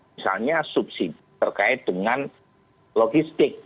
misalnya subsidi terkait dengan logistik